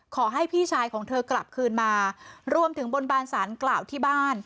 ขอให้พี่ชายของเธอกลับคืนมารวมถึงบนบานสารกล่าวที่บ้าน